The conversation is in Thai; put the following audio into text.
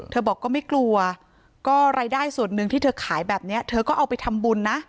บอกก็ไม่กลัวก็รายได้ส่วนหนึ่งที่เธอขายแบบนี้เธอก็เอาไปทำบุญนะ